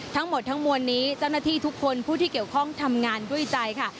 ทั้งหมดทั้งมวลนี้เจ้าหน้าที่ทุกคนผู้ที่เกี่ยวข้องทำงานด้วยใจค่ะ